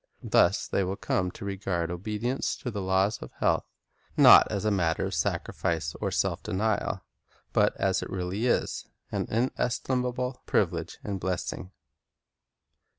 Thus they will come to regard obedience to the laws of health, not as a matter of sacrifice or self denial, but as it really is, an inestimable privilege and blessing.